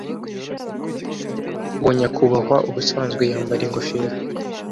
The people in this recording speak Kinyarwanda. Uwo nyakubahwa ubusanzwe yambara ingofero.